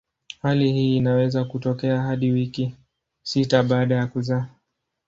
Hali hii inaweza kutokea hadi wiki sita baada ya kuzaa.